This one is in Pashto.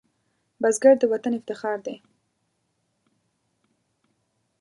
بزګر د وطن افتخار دی